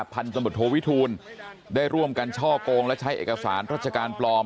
พันธมตโทวิทูลได้ร่วมกันช่อกงและใช้เอกสารราชการปลอม